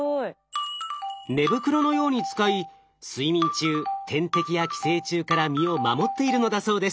寝袋のように使い睡眠中天敵や寄生虫から身を守っているのだそうです。